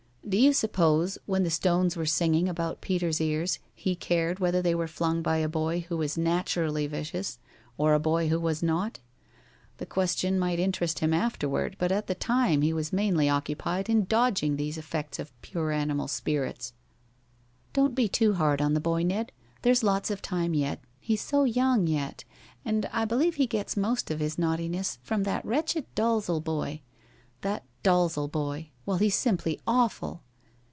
"Do you suppose, when the stones were singing about Peter's ears, he cared whether they were flung by a boy who was naturally vicious or a boy who was not? The question might interest him afterward, but at the time he was mainly occupied in dodging these effects of pure animal spirits." "Don't be too hard on the boy, Ned. There's lots of time yet. He's so young yet, and I believe he gets most of his naughtiness from that wretched Dalzel boy. That Dalzel boy well, he's simply awful!"